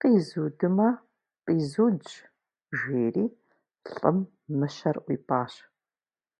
Къизудмэ, къизудщ, - жери лӏым мыщэр ӏуипӏащ.